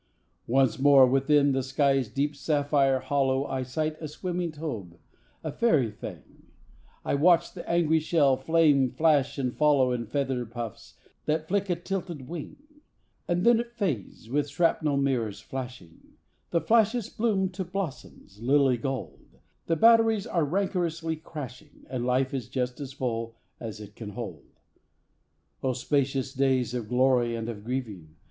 Once more within the sky's deep sapphire hollow I sight a swimming Taube, a fairy thing; I watch the angry shell flame flash and follow In feather puffs that flick a tilted wing; And then it fades, with shrapnel mirror's flashing; The flashes bloom to blossoms lily gold; The batteries are rancorously crashing, And life is just as full as it can hold. Oh spacious days of glory and of grieving!